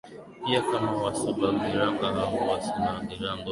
pia kama WasubaGirango au WasunaGirango Wasuba wanaishi viungani vya mji wa Migori